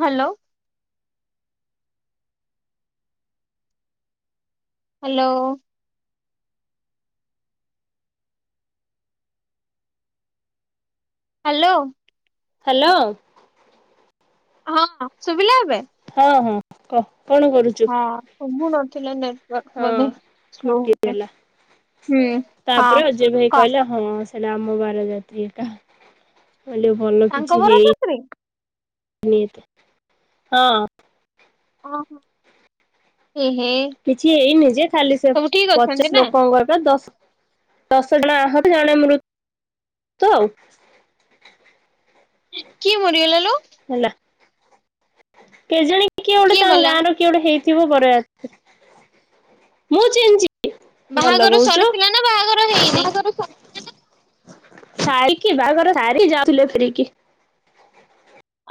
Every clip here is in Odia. ହ୍ୟାଲୋ। ହ୍ୟାଲୋ। ହାଲୋ। ହାଲୋ। ହଁ ଶୁଭିଲା ଏବେ। ହଁ ହଁ କ କଣ କରୁଛୁ। ହଁ ସୁବୁ ନଥିଲା ନେଟ୍ ବ ହଁ ବେଧେ ସ୍ଲୋ ହଉଚେ। କଟିଗଲା ତାପରେ ଅଜୟ ଭାଇ କହିଲା ହଁ ସେଇଟା ଆମ ବାରଯାତ୍ରୀ ଏକା ହେଲେ ଭଲ ତାଙ୍କ କିଛି ବର ହେଇନି। ଶାଶୁରେ [inaudible] ହଁ ଓହୋ ଏ ହେ। କିଛି ହେଇନି ଯେ ଖାଲି ସେ ସବୁ ଠିକ ଅଛନ୍ତି ପଚାଶ ନା? ଲୋକଙ୍କର ଦଶ। ଦଶ ଜଣ ଆହତ ଜଣେ ମୃତ ଆଉ। କିଏ ମରିଗଲା ଲୋ। ହେଲା। କେ ଜାଣି କିଏ ଗୋଟେ ତାଙ୍କ ଗାଁର କିଏ ଗୋଟେ ହେଇଥିବ ବରଯାତ୍ରୀ ମୁଁ ଚିହ୍ନିଚି। ଭଲ ବାହାଘର କହୁଛ। [inaudible] ସରିଥିଲା ନା ବାହାଘର ହେଇନି? ସାଇକି ବାହାଘର ସାରି ଯାଉଥିଲେ ଫେରିକି।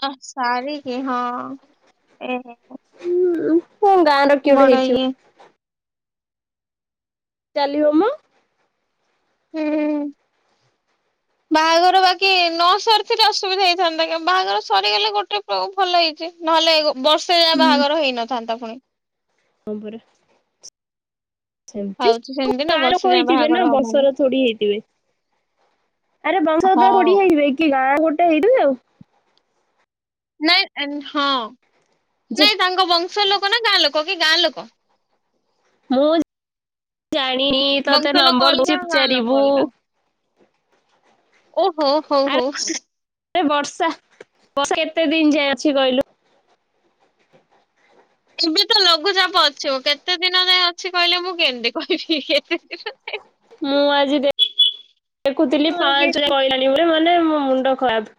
ଅ ସାରିକି ହଁ ଏ ହୁଁ ଗାଁ ର କିଏ ବଡ ଗୋଟେ ଇଏ ହେଇଥିବ। ଚାଲିିବ ମୋ। ହୁଁ ବାହାଘର ବାକି ନ ସରିଥିଲେ ଅସୁବିଧା ହେଇଥାନ୍ତା ବାହାଘର ସରିଗଲେ ଗୋଟେ ଭଲ ହେଇଛି ନହେଲେ ବ ସେ ଜାଏଁ ହୁଁ ବାହାଘର ହେଇନଥାନ୍ତା ପୁଣି। ହଁ ପରା। ସେମିତି ହଉଛି ସେମିତି ନା ଗାଁ ବର୍ଷେ ଲୋକ ଯାଏ ହେଇଥିବେ ନା ବାହାଘର ହବନି। ବଂଶ ର ଥଡି ହେଇଥିବେ। ଆରେ ବଂଶ ପୁରା ହଁ। ଖୋଡି ହେଇଯିବେ କି ଗାଁ ଗୋଟେ ହେଇଥିବେ ଆଉ। ନାଇଁ ହଁ ଯେ ନାଇଁ ତାଙ୍କ ବଂଶ ଲୋକ ନା ଗାଁ ଲୋକ କି ଗାଁ ଲୋକ? ମୁଁ ଜାଣିନି ବଂଶ ତତେ ଲୋକ ନମ୍ବର ଅଲଗା ଦଉଛି ଗାଁ ଲୋକ ପଚାରିବୁ। ଅଲଗା। ଓହୋ ହଉ ହଉ। ରେ ବର୍ଷା ବର୍ଷା କେତେ ଦିନ ଯାଏ ଅଛି କହିଲୁ? ଏବେ ତ ଲଘୁଚାପ ଅଛି ମ କେତେ ଦିନ ଯାଏଁ ଅଛି କହିଲେ ମୁଁ କେମିତି କହିବି କେତେ ଦିନ ଯାଏ। ମୁଁ ଆଜି ଦେଖୁଥିଲି ପାଞ୍ଚ କହିଲାଣି ବୋଲେ ମାନେ ମୋ ମୁଣ୍ଡ ଖରାପ।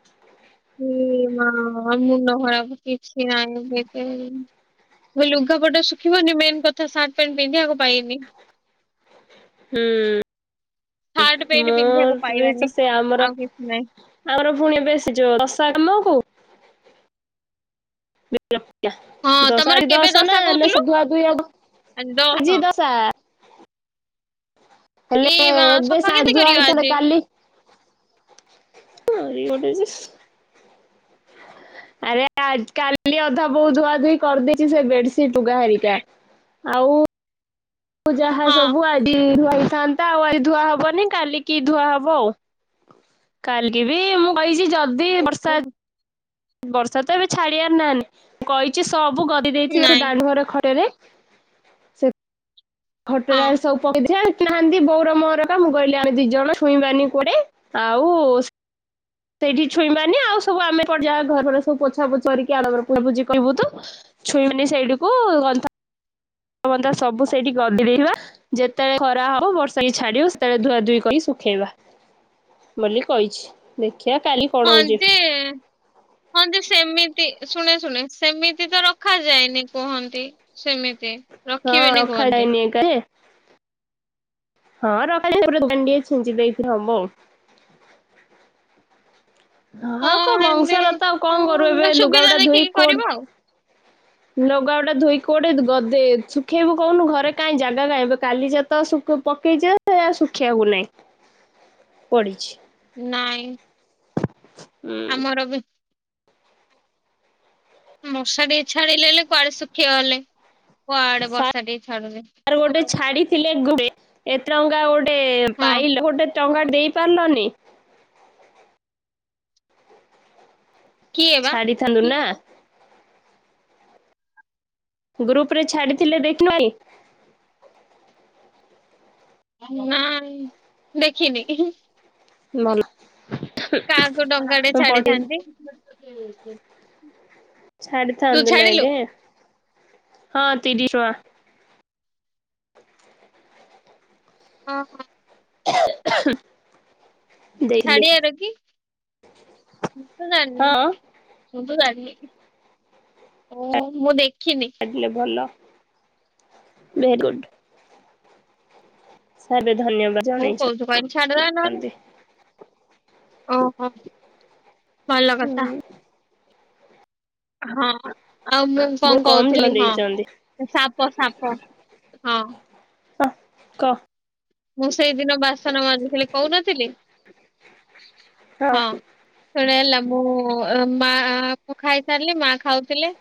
ହେ ମା ମୁଣ୍ଡ ଖରାପ କିଛି ନାହିଁ ଦି ତିନ ଦିନ। ଲୁଗାପଟ ଶୁଖିବନି ମେନ୍ କଥା ସାର୍ଟ ପ୍ୟାଣ୍ଟ ପିନ୍ଧିିବାକୁ ପାଏନି। ହୁଁ ସାର୍ଟ ପ୍ୟାଣ୍ଟ ମୋ ପିନ୍ଧିବାକୁ ବି ପାଇବାନି ତ ସେ ଆମର ଆଉ କିଛି ନାହିଁ ଆମର ପୁଣି ବେ ସେ ଯୋ ଦଶା କାମ କୁ ହଁ ଦଶା ତମର ଆଜି କେବେ ଦଶ ଦଶା ନା କହୁଥିଲୁ? ହେଲେସବୁ ଧୁଆଧୁଇ ହବ ଆଜି ଦ ଶା। ଏ ହେଲେ ମା ଏବେ ସଫା କେମିତି ସାଢି ଧୁଆ କରିବ ହେଇଥିଲେ ଆଜି କାଲି ହଁ ଗୋଟେ ଯେ ଆରେ କାଲି ଅଧା ବୋଉ ଧୁଆ ଧୁଇ କରିଦେଇଛି ସେ ବେଡସିଟ ଲୁଗାହାରିକା। ଆଉ ଯାହା ହଁ। ସବୁ ଆଜି ଧୁଆହୋଇଥାନ୍ତା ଆଉ ଆଜି ଧୁଆ ହବନି କାଲିକିି ଧୁଆ ହବ ଆଉ। କାଲି ବି ମୁଁ କହିଛି ଯ ଓହୋ। ବର୍ଷା ତ ଏବେ ଛାଡିବାର ନା ନାହିଁ କହିଛି ସବୁ ଗଦେଇ ଦେଇଥିବ ସେ ନାଇଁ ଦାଣ୍ଡ ଘରେ ଖରାରେ। ଖଟ ହଁ ଟାରେ ସବୁ ପକେ ଅଜା ନାହାନ୍ତି ବୋଉ ମୋର ତ ମୁଁ କହିଲି ଆଣେ ଦି ଜଣ ଛୁଇଁବାନି କୁଆଡେ। ଆଉ ସେଇଠି ଛୁଇଁବାନି ଆଉ ସବୁ ଆମେ ଏପଟେ ଯାହା ଘର ଫର ସବୁ ପୋଛା ପୋଛି କରିକି ଆମର ପୁଜା ପୁଜି କରିବୁ ତ। ଛୁଇଁବିନି ସେଇଠିକୁ ଗନ୍ତା ଫନ୍ତା ସବୁ ସେଇଠି ଗଦି ଦେଇଥିବା। ଯେତେବେଳେ ଖରା ହବ ବର୍ଷା ବି ଛାଡିବ ସେତେବେଳେ ଧୁଆ ଧୁଇ କରି ଶୁଖେଇବା। ବୋଲି କହିଛି ଦେଖିବା କାଲି ହଁ କଣ ହଉଛି ଯେ ହଁ ଯେ ସେମିତି ଶୁଣେ ଶୁଣେ ସେମିତି ତ ରଖାଯାଏନି କୁହନ୍ତି? ସେମିତି ହଁ ରଖିବେନି କୁହନ୍ତି। [inaudible] ହଁ ରଖାଯାଏ [inaudible] ଛିଞ୍ଚି ଦେଇକି ହବ ଆଉ। ହଁ କ ବଂଶାରତ ଆଉ କଣ ହଁ କରୁବୁ ବା ଏବେ ସୁବିଧା ଲୁଗାପଟା ଧୋଇ ଦେଖିକି କ କରିବ ଆଉ ଲୁଗା ପଟା ଧୋଇକି କୋଉଠି ଗଦେ ଶୁଖେଇବୁ କହୁନୁ ଘରେ କାଇଁ ଜାଗା କାଇଁ ଏବେ କାଲି ଯା ତ ଶୁକୁ ପକେଇଚି ଯେ ସେ ଶୁଖିଆକୁ ନାଇଁ। ପଡ଼ିିଛି। ନାଇଁ। ଉଁ। ଆମର ବି ମର୍ଷା ଟିକେ ଛାଡିଲେ ହେଲେ କୁଆଡେ ଶୁଖିଗଲେ କୁଆଡେ ସାର୍ ବର୍ଷା ଟିକେ ଛାଡୁନି। ଗୋଟେ ଛାଡିଥିଲେ ଗୁଡେ ଏତେ ଟଙ୍କା ଗୋଟେ ହଁ ପାଇଲେ ଗୋଟେ ଟଙ୍କା ଦେଇପାରିଲନି। କିଏ ବା ଛାଡିଥାନ୍ତୁ ନା। ଗ୍ରୁପ ରେ ଛାଡ଼ିଥିଲେ ଦେଖି [inaudible] ନାଇଁ ଦେଖିନି କେହିଁ। [unintelligible] କାଁ କୁ ଟଙ୍କାଟେ ମୁଁ ପଠେଇ ଛାଡିଥାନ୍ତି। ତୁ ଛାଡିଥାନ୍ତୁ ନାଇଁ ଛାଡିଲୁ? ରେ ହଁ ତିରିଶ ଟଙ୍କା। ଅଁ ହଁ। ହ ଛାଡିଆର କି ମୁଁ ତ ଜାଣିନି। ହଁ ମୁଁ ତ ଜାଣିନି ଓଃ ମୁଁ ଦେଖିନି। ଛାଡିଲେ ଭଲ ଭେ ଗୁଡ଼। ସେ ବି ଧନ୍ୟବାଦ୍ ହଉ କହୁଛୁ କହିଲି ଛାଡିଦବା ନହେଲେ ଜଣେଇଛନ୍ତି। ଓହୋ ଭଲ ହୁଁ କଥା। ହଁ ଆଉ ମୁଁ ବହୁତ କଣ କମ୍ ଜଣ କହୁଥିଲି ହଁ ଦେଇଛନ୍ତି ସାପ ସାପ ହଁ। କ ମୁଁ ସେଇଦିନ ବାସନ ମାଜୁଥିଲି କଉନଥିଲି। ହଁ ଶୁଣ ହେଲା ମୁଁ ମାଁ ଖାଇସାରିଲି ମାଁ ଖାଉଥିଲେ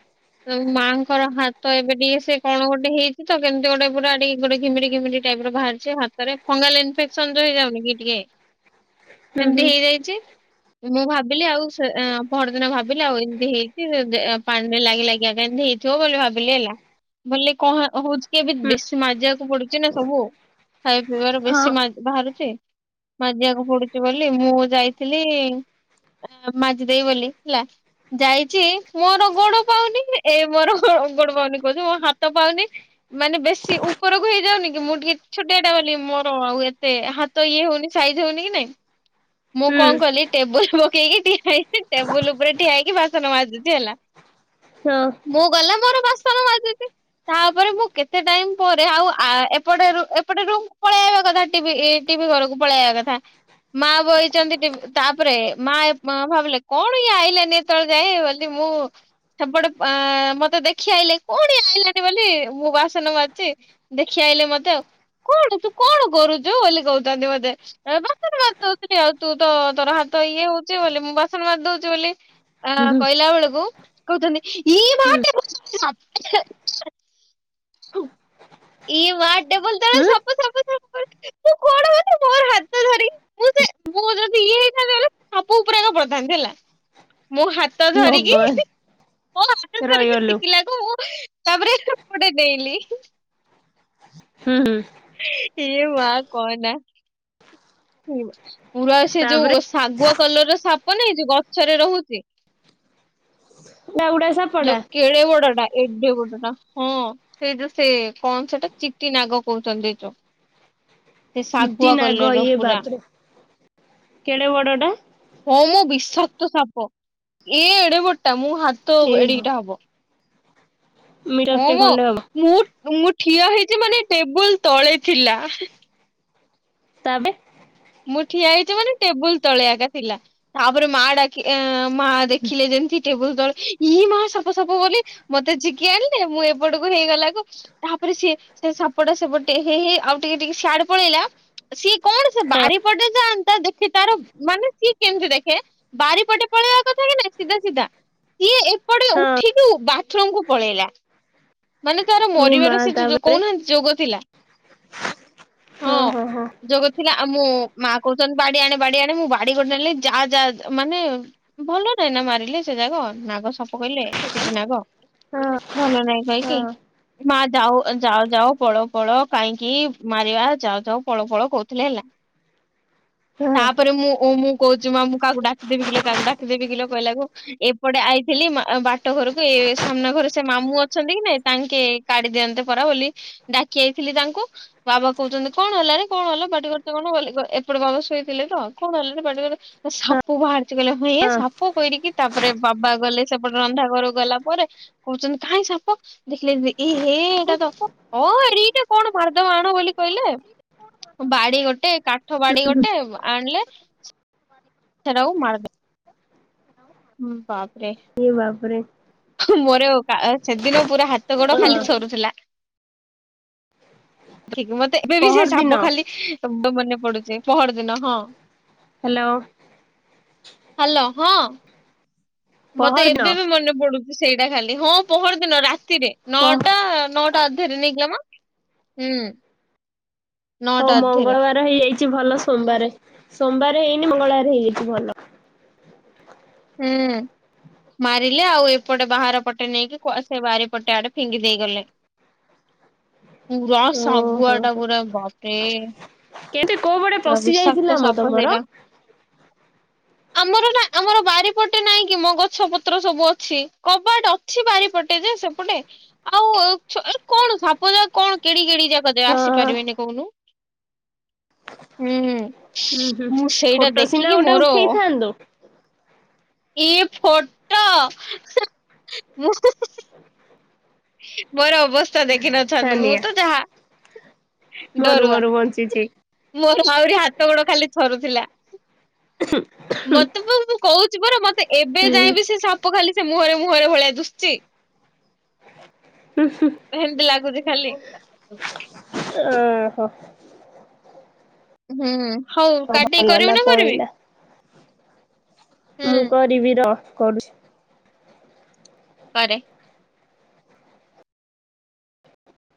ମାଆଙ୍କର ହାତ ଏବେ ଟିକେ ସେ କଣ ଗୋଟେ ହେଇଚି ତ କେମିତି ଗୋଟେ ପୁରା ଟିକେ ଗୋଟେ ଘିମିରି ଘିମିରି ଟାଇପ୍ ର ବାହାରିଛି ହାତରେ ଫଙ୍ଗଲ୍ ଇନଫେକ୍ସନ ଯୋଉ ହେଇଯାଉନି କି ଟିକେ ହୁଁ ସେମତି ହେଇଯାଇ ଚି। ମୁଁ ଭାବିଲି ଆଉ ସେ ପହରଦିନ ଭାବିଲି ଆଉ ଏମିତି ହେଇଚି ପାଣିରେ ଲାଗି ଲାଗି କା ଏମତି ହେଇ ଥିବ ବୋଲି ଭାବିଲି ହେଲା। ବଲେ କଣ ହଉଚି କି ଏବେ ହୁଁ ବେଶୀ ମଜିବାକୁ ପଡୁଚି ନା ସବୁ। ଖାଇ ପିଇବାରୁ ହୁଁ ହଁ ବେଶୀ ମା ବାହାରୁଚି ମାଜିଆକୁ ପଡୁଚି ବୋଲି ମୁଁ ଯାଇ ଥିଲି ଏଁ ମାଜିଦେବି ବୋଲି ହେଲା ଯାଇଚି ମୋର ଗୋଡ ପାଉନି ଏ ମୋର ଗୋଡ ପାଉନି କହୁଚି ମୋ ହାତ ପାଉନି। ମାନେ ବେଶୀ ଉପରକୁ ହେଇଯାଉନି କି ମୁଁ ଟିକେ ଛୋଟିଆଟା ବୋଲି ମୋର ଆଉ ଏତେ ହା ତ ଇଏ ହଉନି ସାଇଜ ହଉନି କି ନାଇଁ? ମୁଁ ହୁଁ କଣ କଲି ଟେବୁଲ ପକେଇକି ଠିଆ ହେଇ ଟେବୁଲ ଉପରେ ଠିଆହେଇକି ବାସନ ମାଜୁଚି ହେଲା। ହଁ। ମୁଁ ଗଲା ମୋର ବାସନ ମାଜୁଚି। ତାପରେ ମୁଁ କେତେ ଟାଇମ୍ ପରେ ଆଉ ଆ ଏପଟରୁ ଏପଟ ରୁମକୁ ପଳେଇ ଆଇବା କଥା ଟିଭି ଟିଭି ଘରକୁ ପଳେଇବା କଥା ମାଁ ବଇ ଛନ୍ତି ଟିଭି ତାପରେ ମା ଭାବିଲେ କଣ ଇଏ ଆଇିଲାନି ଏତେବେଳ ଯାଏ ବୋଲି ମୁଁ ସେପଟେ ଅ ମତେ ଦେଖି ଆଇଲେ କଣ ଆଇଲାନି ବୋଲି ମୁଁ ବାସନ ମାଜୁଛି। ଦେଖି ଆଇଲେ ମତେ ଆଉ। କଣ ତୁ କଣ କରୁଛୁ ବୋଲି କହୁଛନ୍ତି। ମତେ ଏ ବାସନ ମାଜି ଦଉ ଆଉ ତୁ ତ ତୋର ହାତ ଇଏ ହଉଛିି ବୋଲି ମୁଁ ବାସନ ମାରିଦଉଛି ବୋଲି। ଆ ହୁଁ କହିଲା ବେଳକୁ କହୁଛନ୍ତି ଇ ମା [unintelligible] ଇଏ ମାଆ ଟେବୋଲୁ ହୁଁ। [unintelligible] ବାସନ ଫାସନ ଫୋପାଡ଼ି ସିଏ କଣ ହେଲା ମୋର ହାତ ଧରି [unintelligible] ମୁଁ ସେ ମୁଁ ଯଦି ଇଏ ହେଇଥାନ୍ତି କଣ କହିଲ ମୁଁ ଖାପଉକି ପୁରା ଏଇନା ପଡ଼ିଥାନ୍ତି ହେଲା ମୋ ହାତ [unintelligible] ହାତ ଭଗବାନ ଧରିକି ମୋ ହାତ ଧରିକି ରହିଗଲୁ ଶିଖିଲା ମୁଁ ତାପରେ ହେପଟେ ଡେଇଁଲି। ହୁଁ, ହୁଁ। ଏ ମା କହନା ପୁରା ସେ ଯୋଉ ତାପରେ ଓ ଶାଗୁଆ କଲର ର ସାପ ନାଇ ଯୋଉ ଗଛରେ ରହୁଛି। ବଉଡା ସାପ [unintelligible] ଯୋଉ କେଡେ ବଡଟା ଏଡେ ବଡଟା। ହଁ, ସେଇ ଯୋଉ ସେ କଣ ସେଟା? ଚିତି ନାଗ କହୁଛନ୍ତି ଏଇ ଯୋଉ। ସେ ଚିଟି ଶାଗୁଆ ନାଗ କଲର ଇଏ ପୁରା। ବାପରେ କେଡେ ବଡଟା ହଁ ମୋ ବିଶାକ୍ତ ସାପ ଏ ଏଡେ ବଡଟା ମୁଁ ହାତ ଏଇ ଏଡିକି ଟା ହବ। ହଁ ମିଟରଟେ ମୋ ଖଣ୍ଡେ ହବ ମୁଁ -ମୁଁ ଠିଆ ହେଇଛି ମାନେ ଟେବୁଲ ତଳେ ଥିଲା। ତା ଏବେ ମୁଁ ଠିଆ ହେଇଛି ମାନେ ଟେବୁଲ ତଳେ ଏକା ଥିଲା। ତାପରେ ମା ଡାକି ଅ ମା ଦେଖିଲେ ଯେମିତି ଟେବୁଲ ତଳେ ଇ ମା ସାପ ସାପ ବୋଲି ମତେ ଝିଙ୍କି ଆଣିଲେ। ମୁଁ ଏପଟକୁ ହେଇଗଲା କୁ ତାପରେ ସିଏ ସେ ସାପଟା ସେପଟେ ହେ ହେ ଆଉ ଟିକେ ଟିକେ ସିଆଡେ ପଳେଇଲା ସିଏ କଣ ହଁ ବାରି ପଟେ ଯାଆନ୍ତା ଦେଖ ସେ ତାର ମାନେ ସିଏ କେମିତି ଦେଖେ ବାରି ପଟେ ପଳେଇବା କଥା କି ନା ସିଧା ସିଧା? ଇଏ ଏପଟେ ହଁ ଉଠିକୁ ବାଥରୁମ କୁ ପଳେଇଲା। ମାନେ ତାର ଏ ମା ମରିବାର ସେ ଯୋ ତାପରେ କହୁନାହାନ୍ତି ଯୋଗ ଥିଲା। ହଁ ଯୋଗ ଥିଲା। ଆଉ ମୁଁ ମା କହୁଛନ୍ତି ବାଡି ଆଣେ ବାଡି ଆଣେ ମୁଁ ବାଡି ଗୋଟେ ନେଲି ଯାହା ଯାହା ମାନେ ଭଲ ନାହିଁ ନା ମାରିଲେ ସେ ଜାଗ ନାଗ ସାପ କହିଲେ ଚିଠି ନାଗ। ହଁ [unintelligible] ଭଲ ନାହିଁ ହଁ କହିକି ମା ଯାଉ ଯାଅ -ଯାଅ ପଳାଅ -ପଳାଅ କାହିଁକି ମାରିବା ଯାଅ -ଯାଅ ପଳାଅ -ପଳାଅ କହୁଥିଲେ ହେଲା। ହଁ ତାପରେ ମୁଁ ଓ ମୁଁ କହୁଛି ମା ମୁଁ କାହାକୁ ଡାକିଦେବି କି ଲୋ କାହାକୁ ଡାକିଦେବି କି ଲୋ କହିଲାକୁ ଏପଟେ ଆଇଥିଲି ମା ବାଟ ଘରକୁ ଏ ସାମ୍ନା ଘରେ ସେ ମାମୁଁ ଅଛନ୍ତି କି ନାଇ? ତାଙ୍କେ କାଢି ଦିଅନ୍ତେ ପରା ବୋଲି ଡାକି ଆଇଥିଲି ତାଙ୍କୁ। ବାବା କହୁଛନ୍ତି କଣ ହେଲାରେ କଣ ହେଲା ପାଟି କରୁଛେ କଣ ବୋଲି ଏପଟେ ବାବା ଶୋଇଥିଲେ ତ କଣ ହେଲାରେ ପାଟି କରୁ ହଁ ସାପ ବାହାରିଛି କହିଲା। ହୁଁ ଏ ହଁ ସାପ କରିକି। ତାପରେ ବାବା ଗଲେ ସେପଟେ ରନ୍ଧା ଘରକୁ ଗଲା ପରେ କହୁଛନ୍ତି କାହିଁ ସାପ? ଦେଖିଲେ ଯେ ଏ ହେ ଏଇଟା ତ ହ ଏଡିକି ଟେ କଣ ମାରିଦବା ଆଣ ବୋଲି କହିଲେ? ବାଡି ଗୋଟେ କାଠ ବାଡି ଗୋଟେ ଆଣିଲେ। ସେଟାକୁ ମାରି ଦେ ହୁଁ ବାପରେ ଏ ବାପରେ ମୋର ସେଦିନ ପୁରା ହାତ ଗୋଡ ଖାଲି ଥରୁଥିଲା। ଠିକ ମତେ ଏବେ ବି ସେ ପହରଦିନ ସାପ ଖାଲି ମନେ ପଡୁଛି। ପଅର ଦିନ ହଁ ହ୍ୟାଲୋ! ହ୍ୟାଲୋ! ହଁ ମତେ ପହରଦିନ ଏବେ ବି ମନେ ପଡୁଛି। ସେଇଟା ଖାଲି ହଁ ପଅର ଦିନ ରାତିରେ ପହ ନଅଟା -ନଅ ତା ଧେରେ ନେଇକିଗମ ହୁଁ ହଉ ନଅଟା ଅଧେରେ ମଙ୍ଗଳବାର ହେଇଯାଇଛି। ଭଲ ସୋମବାର, ସୋମବାର ହେଇନି ମଙ୍ଗଳବାର ହେଇଯାଇଛି ଭଲ ହୁଁ ମାରିଲେ ଆଉ ଏପଟେ ବାହାର ପଟେ ନେଇକି କୁଆ ସେ ବାରିପଟେ ଆଡେ ଫିଙ୍ଗି ଦେଇଗଲେ। ପୁରା ଓହୋ ଶାଗୁଆଟା ହୋ ପୁର ବାପରେ କେମିତି କୋଉ ପଟେ ପୁରା ପଶି ବିଷାକ୍ତ ଯାଇଥିଲା ମ ସାପ ତମର ସେଇଟା ଆମର ନା ଆମର ବାରିପଟେ ନାଇଁ କି ମୋ ଗଛ ପତ୍ର ସବୁ ଅଛି। କବାଟ ଅଛି ବାରିପଟେ ଯେ ସେପଟେ ବା ଆଉ କଣ ସାପ ଯା କଣ କେଡି କେଡି ଜାଗା ଯେ ହଁ ଆସିପାରିବେନି କହୁନୁ ହୁଁ ହୁଁ- ହୁଁ ମୁଁ ସେଇଟା ଫୋଟୋ ସିନା ଦେଖିକି ଗୋଟେ ମୋର ଉଠେଇଥାନ୍ତୁ। ଏଇ ଫଟୋ ହେଁ ହୁଁ -ହୁଁ -ହୁଁ ମୋର ଅବସ୍ଥା ଦେଖିନଥାନ୍ତୁ। ମୁଁ ଧନିଆ ତ ଯାହା ମରୁ ଡରୁଆ ମରୁ ବଞ୍ଚିଛି। ମୋର ମାହୁରି ହାତ ଗୋଡ ଖାଲି ଥରୁଥିଲା। ହୁ ମତେ ମୁଁ କହୁଛି ପରା ମତେ ଏବେ ହୁଁ ଯାଏଁ ବି ସେ ସାପ ଖାଲି ସେ ମୁହଁରେ ମୁହଁରେ ଭଳିଆ ଦୁଶୁଛି। ହୁଁ -ହୁଁ ହେଁମିତି ଲାଗୁଛି ଖାଲି ଓହୋ! ହୁଁ ହଉ କାଟିି ଭଲ କରିବୁ ହେଲା ନା କରିବି। ପଳେଇଲା ହୁଁ ମୁଁ କରିବି ର କରୁଛି। କରେ